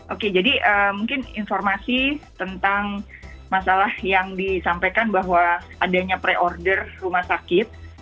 oke jadi mungkin informasi tentang masalah yang disampaikan bahwa adanya pre order rumah sakit